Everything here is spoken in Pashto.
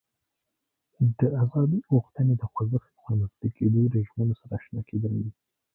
د ازادي غوښتنې د خوځښت له رامنځته کېدو له ژمینو سره آشنا کېدل دي.